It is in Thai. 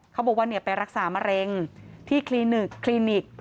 เขาบอกว่าไปรักษามะเร็งที่คลินิกคลินิก